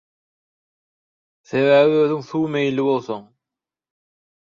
Sebäbi özüň suw meýilli bolsaň